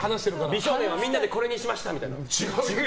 美少年はみんなでこれにしましたみたいな。